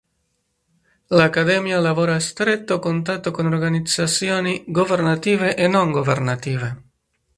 L'Accademia lavora a stretto contatto con organizzazioni governative e non governative.